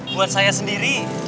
buat saya sendiri